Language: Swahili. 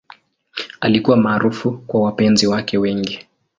Alikuwa maarufu kwa wapenzi wake wengi.